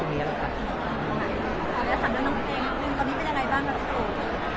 แล้วถามด้วยน้องพี่เองคุณตอนนี้เป็นยังไงบ้างครับสุ